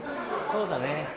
そうだね。